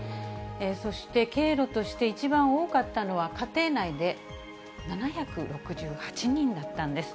そして経路として一番多かったのは家庭内で、７６８人だったんです。